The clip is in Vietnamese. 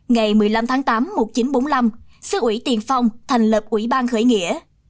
ngày một mươi năm tháng tám một nghìn chín trăm bốn mươi năm sứ ủy tiền phong thành lập ủy ban khởi nghĩa